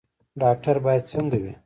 ډاکټر باید څنګه وي؟